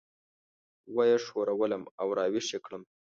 وه یې ښورولم او راويښ یې کړم.